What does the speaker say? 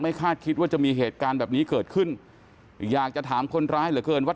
คาดคิดว่าจะมีเหตุการณ์แบบนี้เกิดขึ้นอยากจะถามคนร้ายเหลือเกินว่า